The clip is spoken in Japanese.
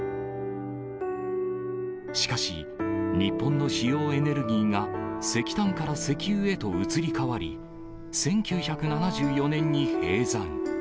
しかし、日本の主要エネルギーが、石炭から石油へと移り変わり、１９７４年に閉山。